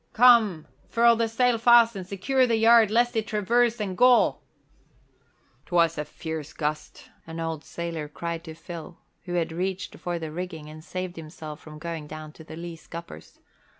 Come, furl the sail fast and secure the yard lest it traverse and gall!" "'Twas a fierce gust," an old sailor cried to Phil, who had reached for the rigging and saved himself from going down to the lee scuppers.